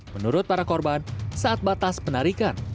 menurut para korban saat batas penarikan